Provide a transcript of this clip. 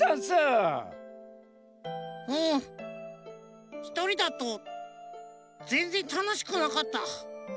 うんひとりだとぜんぜんたのしくなかった。